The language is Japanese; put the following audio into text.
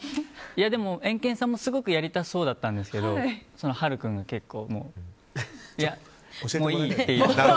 でも、エンケンさんもすごくやりたそうだったんですけど晴君がいや、もういいって。